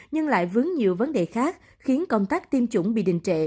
nhưng lại vướng nhiều vấn đề khác khiến công tác tiêm chủng bị đình trệ